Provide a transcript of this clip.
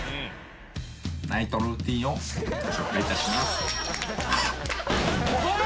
ナイトルーティンをご紹介いたします。